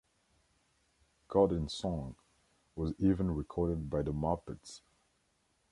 "Garden Song" was even recorded by the Muppets.